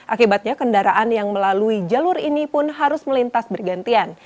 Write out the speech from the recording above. akibatnya kendaraan yang melalui jalur ini pun harus melintas bergantian